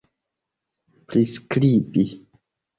priskribi